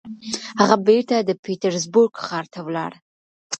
هغه بېرته د پيټرزبورګ ښار ته ولاړ.